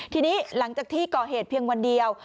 ทีนี้หลังจากที่ก่อเหตุเพียงวันเดียว